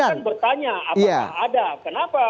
dan ditemukan bertanya apakah ada kenapa